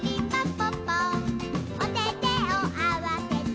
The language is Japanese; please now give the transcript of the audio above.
ぽっぽおててをあわせて」